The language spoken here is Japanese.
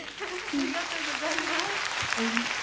ありがとうございます。